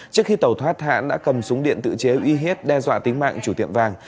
trước khi tàu thoát hãn đã cầm súng điện tự chế uy hiếp đe dọa tính mạng chủ tiệm vàng